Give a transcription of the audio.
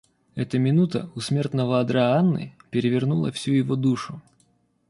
Эта минута у смертного одра Анны перевернула всю его душу.